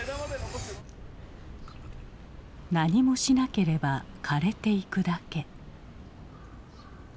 何もしなければ枯れていくだけ。